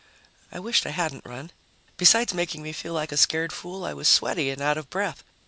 I wished I hadn't run. Besides making me feel like a scared fool, I was sweaty and out of breath.